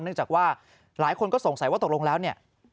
จากว่าหลายคนก็สงสัยว่าตกลงแล้วเนี่ย